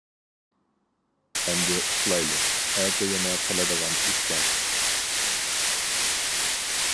ئەمدى ئۇخلايلى، ئەتە يەنە قىلىدىغان ئىش بار.